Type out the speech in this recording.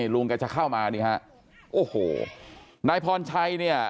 ลุงแกจะเข้ามานี่ฮะโอ้โหนายพรชัยเนี่ย